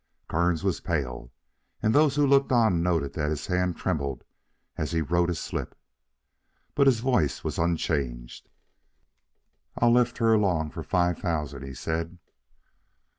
Kearns was pale, and those who looked on noted that his hand trembled as he wrote his slip. But his voice was unchanged. "I lift her along for five thousand," he said.